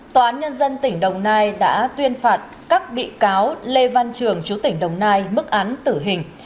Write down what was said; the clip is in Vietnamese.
tòa án nhân dân tỉnh đồng nai đã tuyên phạt các bị cáo lê văn trường chú tỉnh đồng nai mức án tử hình